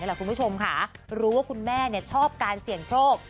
รู้ว่าคุณแม่ชอบการเสี่ยงโภก